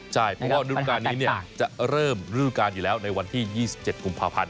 ใช่เพราะว่ารุ่นการนี้จะเริ่มฤดูการอยู่แล้วในวันที่๒๗กุมภาพันธ์